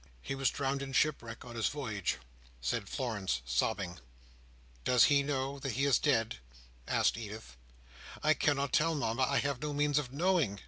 He was drowned in shipwreck on his voyage," said Florence, sobbing. "Does he know that he is dead?" asked Edith. "I cannot tell, Mama. I have no means of knowing.